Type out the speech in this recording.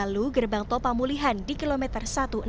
lalu gerbang tol pamulihan di kilometer satu ratus enam puluh